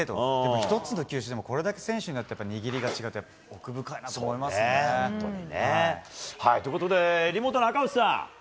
１つの球種でもこれだけ選手によって握りが違うって奥深いなと思いますね。ということでリモートの赤星さん。